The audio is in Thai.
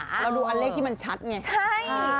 เราดูอันเลขที่มันชัดไงใช่